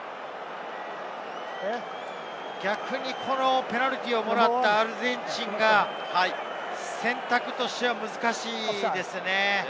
逆にペナルティーをもらったアルゼンチンが選択としては難しいですね。